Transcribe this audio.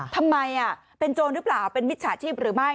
ทำไมเป็นโจรหรือเปล่าเป็นมิจฉาชีพหรือไม่